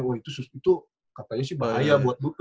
wah itu katanya sih bahaya buat butut ya